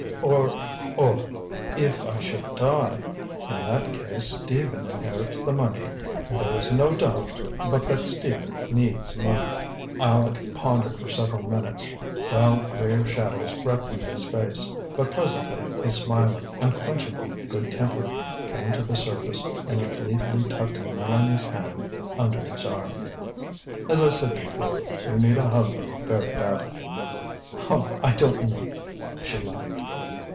Or or, if I should die in that case Stephen inherits the money. And there is no doubt but that Stephen needs money." Aleck pondered for several minutes, while grave shadows threatened his face. But presently his smiling, unquenchable good temper came to the surface, and he gleefully tucked Mélanie's hand under his arm. "As I said before, you need a husband very badly." "Oh, I don't know," she laughed.